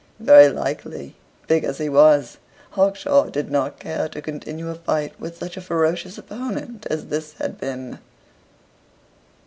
Very likely, big as he was, Hawkshaw did not care to continue a fight with such a ferocious opponent as this had been.